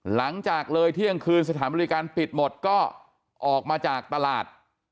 หลังจากเลยเที่ยงคืนสถานบริการปิดหมดก็ออกมาจากตลาด